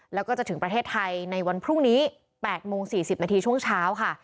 แล้วก็จะถึงประเทศไทยในวันพรุ่งนี้๘โมง๔๐นาทีช่วงเช้าค่ะ